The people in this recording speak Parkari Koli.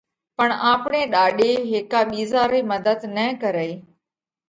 پڻ آپڻي ڏاڏي هيڪا ٻِيزا رئي مڌت نہ ڪرئي،